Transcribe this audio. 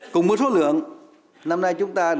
cùng với số lượng